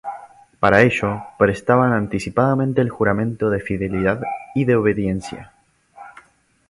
Para ello prestaban anticipadamente el juramento de fidelidad y de obediencia.